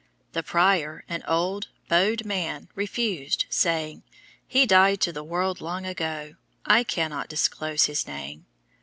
The prior, an old, bowed man, refused saying, "He died to the world long ago. I cannot disclose his name."